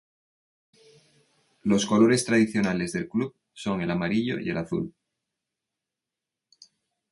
Los colores tradicionales del club son el amarillo y el azul.